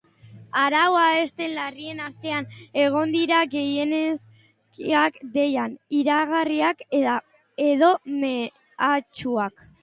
Arau hauste larrien artean egongo dira gehiegizko deiak, iraingarriak edo mehatxuak.